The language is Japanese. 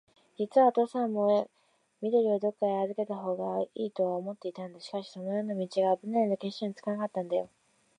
じつはおとうさんも、緑をどっかへあずけたほうがいいとは思っていたんだ。しかし、その道があぶないので、決心がつかないんだよ。